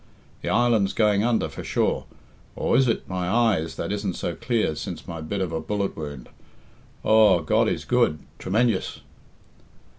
The island's going under, for sure. Or is it my eyes that isn't so clear since my bit of a bullet wound! Aw, God is good, tremen jous!"